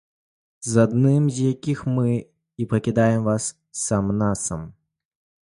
З адным з якіх мы і пакідаем вас сам-насам.